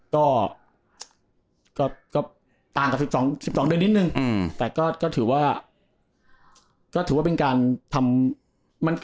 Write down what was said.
ก็ก็ก็ต่างกับสิบสองสิบสองเดือนนิดหนึ่งอืมแต่ก็ก็ถือว่าก็ถือว่าเป็นการทำ